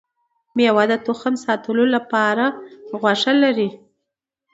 ميوه د تخم ساتلو لپاره غوښه لري